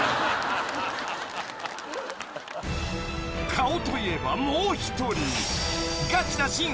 ［顔といえばもう一人］